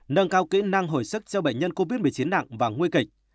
nâng cao kỹ năng hồi sức cho bệnh nhân covid một mươi chín nặng và nguy kịch